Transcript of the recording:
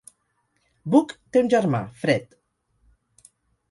Booke té un germà, Fred.